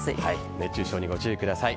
熱中症にご注意ください。